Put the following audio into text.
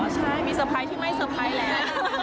ใช่มีเซอร์ไพรส์ที่ไม่เตอร์ไพรส์แล้ว